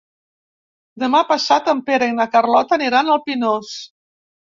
Demà passat en Pere i na Carlota aniran al Pinós.